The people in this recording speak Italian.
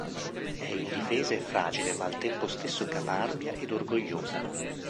È indifesa e fragile ma al tempo stesso caparbia ed orgogliosa.